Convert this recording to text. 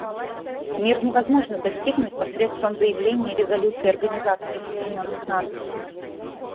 Мир невозможно достигнуть посредством заявлений и резолюций Организации Объединенных Наций.